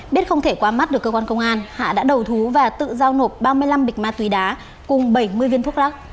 biết không thể qua mắt được cơ quan công an hạ đã đầu thú và tự giao nộp ba mươi năm bịch ma túy đá cùng bảy mươi viên thuốc lắc